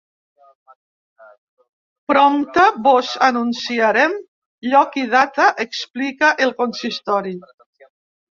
Prompte vos anunciarem lloc i data, explica el consistori.